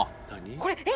これえっ！